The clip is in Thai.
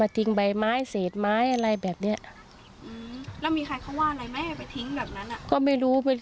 ตอนนี้ไม่เคยมองว่าแบบแบบนี้ก็ไม่ได้